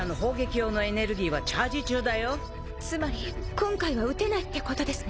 今回は撃てないってことですね。